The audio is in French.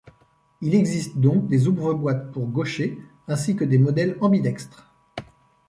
Il existe donc des ouvre-boîtes pour gauchers, ainsi que des modèles ambidextres.